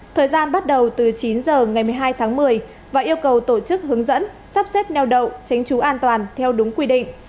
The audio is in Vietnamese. thời gian bắt đầu từ chín h ngày một mươi hai tháng một mươi và yêu cầu tổ chức hướng dẫn sắp xếp neo đậu tránh trú an toàn theo đúng quy định